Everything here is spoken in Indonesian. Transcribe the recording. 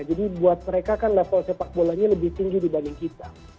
jadi buat mereka kan level sepakbolanya lebih tinggi dibanding kita